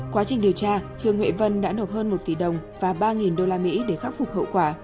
quá trình điều tra trương huệ vân đã nộp hơn một tỷ đồng và ba usd để khắc phục hậu quả